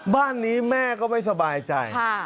บ้านนี้แม่ก็ไม่สบายใจ